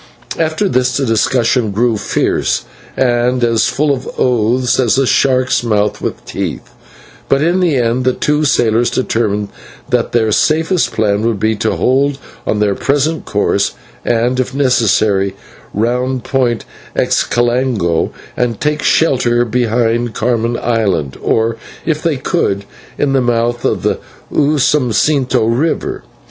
After this the discussion grew fierce, and as full of oaths as a shark's mouth with teeth, but in the end the two sailors determined that their safest plan would be to hold on their present course, and, if necessary, round Point Xicalango and take shelter behind Carmen Island, or, if they could, in the mouth of the Usumacinto river.